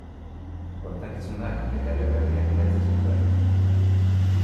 Kontakizunak eta eleberriak idatzi zituen.